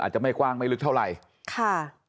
จะไม่กว้างไม่ลึกเท่าไหร่ค่ะ